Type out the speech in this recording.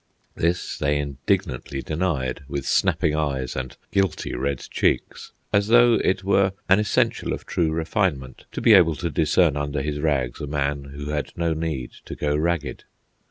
ho! ho! ho!" This they indignantly denied, with snapping eyes and guilty red cheeks, as though it were an essential of true refinement to be able to discern under his rags a man who had no need to go ragged.